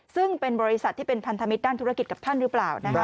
ซึ่งเป็นบริษัทที่เป็นพันธมิตรด้านธุรกิจกับท่านหรือเปล่า